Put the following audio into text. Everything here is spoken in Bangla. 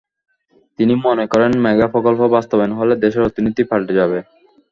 তিনি মনে করেন, মেগা প্রকল্প বাস্তবায়ন হলে দেশের অর্থনীতি পাল্টে যাবে।